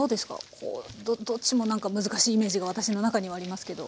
こうどっちも何か難しいイメージが私の中にはありますけど。